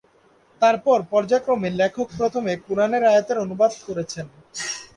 তারপর পর্যায়ক্রমে লেখক প্রথমে কুরআনের আয়াতের অনুবাদ করেছেন।